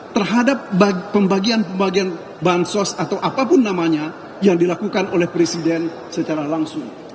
terhadap pembagian pembagian bansos atau apapun namanya yang dilakukan oleh presiden secara langsung